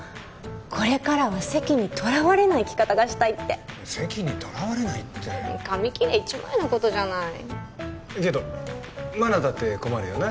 これからは籍にとらわれない生き方がしたいって籍にとらわれないって紙切れ一枚のことじゃないけど茉奈だって困るよな？